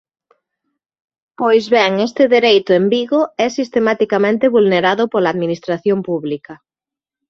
Pois ben este dereito, en Vigo, é sistematicamente vulnerado pola Administración Pública.